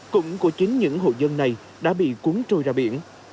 cũng của chính những hộ dân này đã bị cuốn trôi ra biển